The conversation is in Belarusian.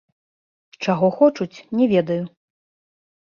Чаго хочуць, не ведаю.